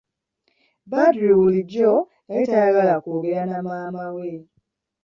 Badru bulijjo yali tayagala kwogera na maama we.